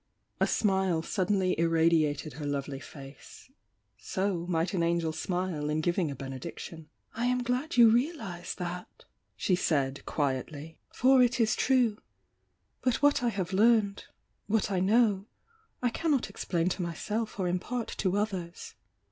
A smile suddenly irradiated her lovelj^ face,— so mi^t an angel smile in giving a benediction. "I am glad you realise that!" she said, quietly — "For it is true! But what I have learned — tyhat I know — I cannot explain to mj^elf or impart to others."